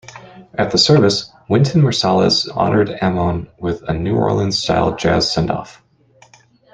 At the service, Wynton Marsalis honored Ammon with a New-Orleans-style jazz send-off.